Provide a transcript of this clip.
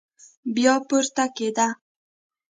بيا پورته کېده.